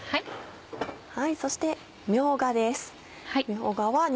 そしてみょうがです。